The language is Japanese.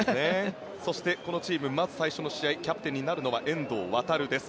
そしてこのチームまず最初にキャプテンになるのは遠藤航です。